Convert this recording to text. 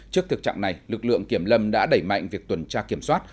trước thực trạng này lực lượng kiểm lâm đã đẩy mạnh việc tuần tra kiểm soát